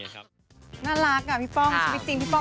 น่ารักค่ะพี่ป้อม